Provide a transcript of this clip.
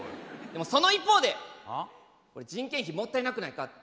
でもその一方でこれ人件費もったいなくないか。